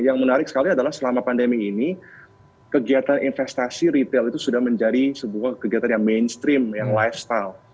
yang menarik sekali adalah selama pandemi ini kegiatan investasi retail itu sudah menjadi sebuah kegiatan yang mainstream yang lifestyle